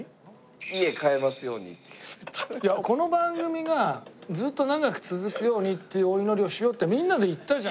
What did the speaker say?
いやこの番組がずーっと長く続くようにっていうお祈りをしようってみんなで言ったじゃん。